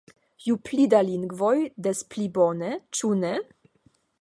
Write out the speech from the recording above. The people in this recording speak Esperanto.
Ju pli da lingvoj, des pli bone, ĉu ne?